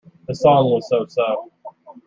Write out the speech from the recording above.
The song was so-so.